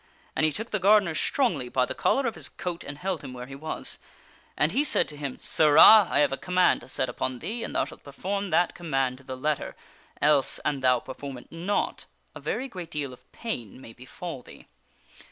And he took the gardener strongly by the collar of his coat and held him where he was. And he said to him :" Sirrah ! I have a command to set upon thee, and thou shalt perform that command to the THE GARDENER AND HIS BOY II7 letter, else, an thou perform it not, a very great deal of pain may befall thee."